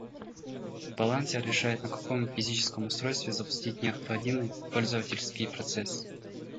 Балансер решает на каком физическом устройстве запустить необходимый пользовательский процесс